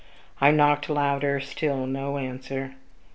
I knocked louder; still no answer.